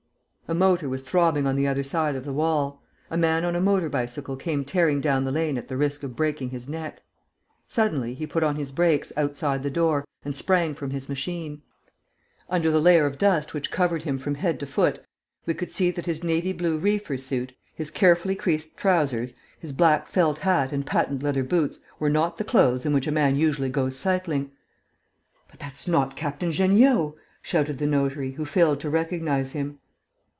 A motor was throbbing on the other side of the wall. A man on a motor bicycle came tearing down the lane at the risk of breaking his neck. Suddenly, he put on his brakes, outside the door, and sprang from his machine. Under the layer of dust which covered him from head to foot, we could see that his navy blue reefer suit, his carefully creased trousers, his black felt hat and patent leather boots were not the clothes in which a man usually goes cycling. "But that's not Captain Jeanniot!" shouted the notary, who failed to recognize him.